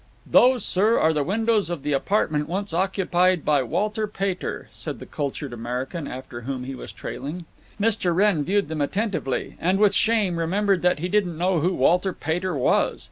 "Those, sir, are the windows of the apartment once occupied by Walter Pater," said the cultured American after whom he was trailing. Mr. Wrenn viewed them attentively, and with shame remembered that he didn't know who Walter Pater was.